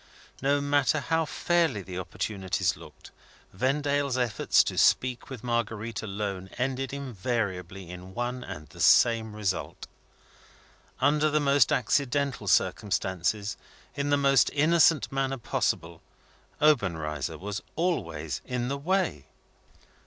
No matter how fairly the opportunities looked, Vendale's efforts to speak with Marguerite alone ended invariably in one and the same result. Under the most accidental circumstances, in the most innocent manner possible, Obenreizer was always in the way.